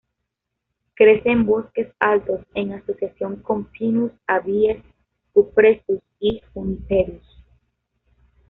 Crece en bosques altos en asociación con "Pinus, Abies, Cupressus y Juniperus".